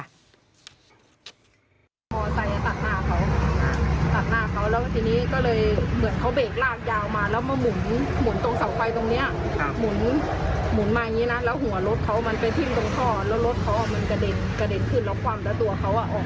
ตัดหน้าเขาตัดหน้าเขาแล้วทีนี้ก็เลยเหมือนเขาเบรกรากยาวมาแล้วมาหมุน